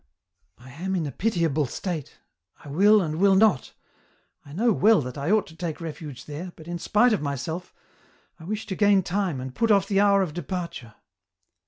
I am in a pitiable state, I will and will not, I know well that I ought to take refuge there, but in spite of myself, I wish to gain time and put off the hour of departure."